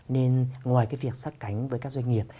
nên ngoài cái việc sát cánh với các doanh nghiệp